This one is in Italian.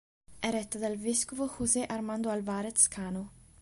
È retta dal vescovo José Armando Álvarez Cano.